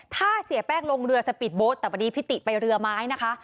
ถ้าเสียแป้งลงเรือสปีดโบ๊ทแต่พอดีพิติไปเรือไม้นะคะ